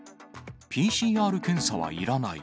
ＰＣＲ検査はいらない。